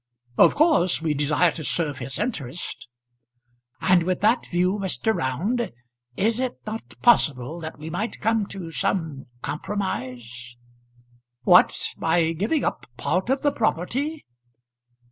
"Of course we desire to serve his interest." "And with that view, Mr. Round, is it not possible that we might come to some compromise?" "What; by giving up part of the property?"